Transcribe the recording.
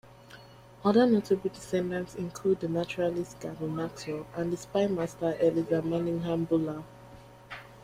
Other notable descendants include the naturalist Gavin Maxwell and the spymaster Eliza Manningham-Buller.